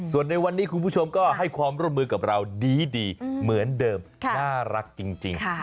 ส่วนในวันนี้คุณผู้ชมก็ให้ความร่วมมือกับเราดีเหมือนเดิมน่ารักจริง